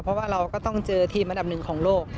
เพราะว่าเราก็ต้องเจอทีมอันดับหนึ่งของโลก